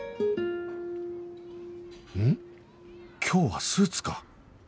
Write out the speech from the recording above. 今日はスーツか